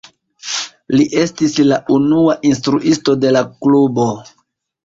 Li estis la unua instruisto de la klubo.